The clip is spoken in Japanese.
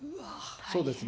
そうですね、